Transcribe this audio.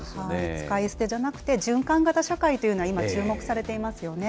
使い捨てじゃなくて循環型社会というのは今、注目されていますよね。